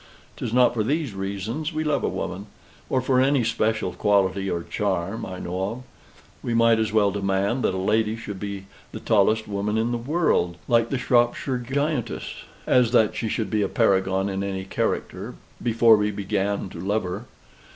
'Tis not for these reasons we love a woman, or for any special quality or charm I know of; we might as well demand that a lady should be the tallest woman in the world, like the Shropshire giantess,* as that she should be a paragon in any other character, before we began to love her.